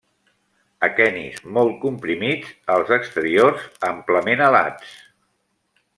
Aquenis molt comprimits, els exteriors amplament alats.